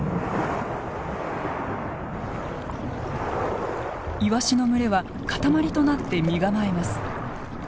イワシの群れは塊となって身構えます。